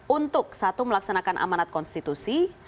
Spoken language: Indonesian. untuk satu melaksanakan amanat konstitusi